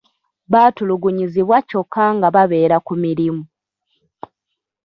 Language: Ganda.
Batulugunyizibwa kyokka nga babeera ku mirimu .